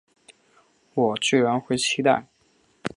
我居然会期待